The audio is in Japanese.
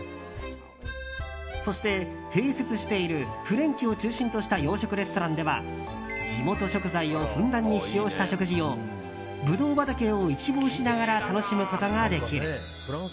そして、併設しているフレンチを中心とした洋食レストランでは、地元食材をふんだんに使用した食事をブドウ畑を一望しながら楽しむことができる。